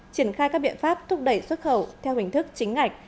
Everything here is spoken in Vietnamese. triển khai các biện pháp thúc đẩy xuất khẩu theo hình thức chính ngạch